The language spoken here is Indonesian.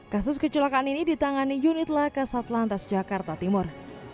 kasus kecelakaan ini ditangani unit laka satlantas jakarta timur